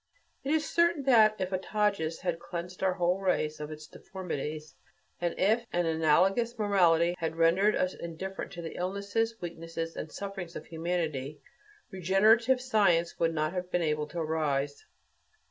It is certain that if a Tages had cleansed our whole race of its deformities, and if an analogous morality had rendered us indifferent to the illnesses, weaknesses, and sufferings of humanity, regenerative science would not have been able to arise.